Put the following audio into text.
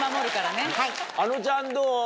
あのちゃんどう？